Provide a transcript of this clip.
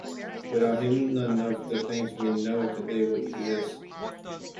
Without him, none of the things we know today would exist.